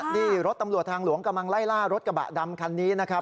นี่รถตำรวจทางหลวงกำลังไล่ล่ารถกระบะดำคันนี้นะครับ